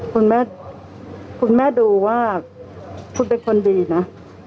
คุณแม่คุณแม่ดูว่าคุณเป็นคนดีนะ